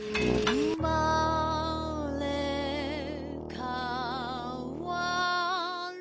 「うまれかわる」